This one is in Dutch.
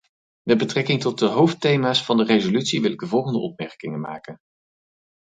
Met betrekking tot de hoofdthema's van de resolutie wil ik de volgende opmerkingen maken.